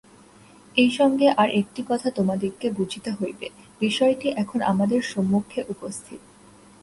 এই সঙ্গে আর একটি কথা তোমাদিগকে বুঝিতে হইবে, বিষয়টি এখন আমাদের সম্মুখে উপস্থিত।